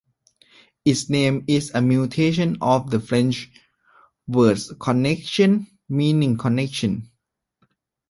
Its name is a mutation of the French word connexion meaning connection.